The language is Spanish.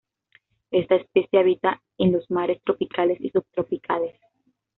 Esta especie habita en los mares tropicales y subtropicales.